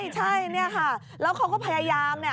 ใช่เนี่ยค่ะแล้วเขาก็พยายามเนี่ย